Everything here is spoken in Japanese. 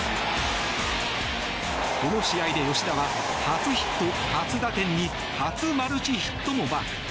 この試合で吉田は初ヒット、初打点に初マルチヒットもマーク。